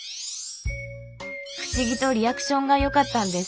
不思議とリアクションがよかったんです。